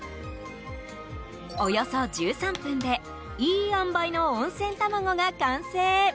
およそ１３分でいいあんばいの温泉卵が完成。